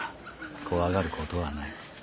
怖がることはない。